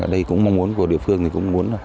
đây cũng là mong muốn của địa phương